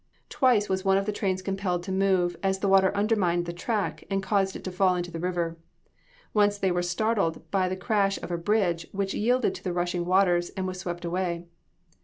Twice was one of the trains compelled to move, as the water undermined the track, and caused it to fall into the river. Once they were startled by the crash of a bridge, which yielded to [Illustration: FLEEING ENGINE.] the rushing waters, and was swept away.